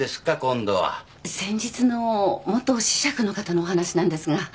先日の元子爵の方のお話なんですが。